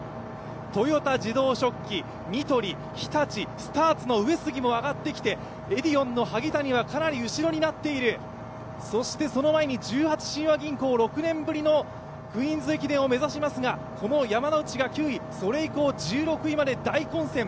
豊田自動織機、ニトリスターツの上杉も上がってきて、エディオンの萩谷はかなり後ろになっている、そして、その前に十八親和銀行、６年ぶりのクイーンズ駅伝を目指しますが、この山ノ内が９位、それ以降大混戦。